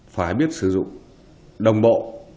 phải biết sử dụng đồng bộ